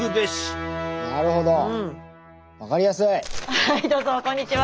はいどうぞこんにちは。